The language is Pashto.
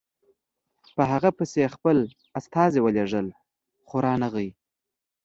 په هغه پسې یې خپل استازي ورولېږل خو رانغی.